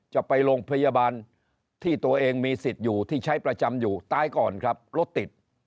จะไปโรงพยาบาลที่ตัวเองมีสิทธิ์อยู่ที่ใช้ประจำอยู่ตายก่อนครับรถติด